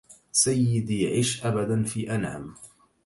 سيدي عش أبدا في أنعم